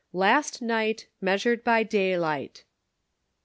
LAST NIGHT " MEASUEED BY DAYLIGHT.